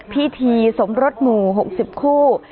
พิธีสมรสหมู่๖๐คู่